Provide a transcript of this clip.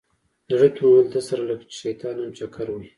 زړه کې مې ویل ده سره لکه چې شیطان هم چکر ووهي.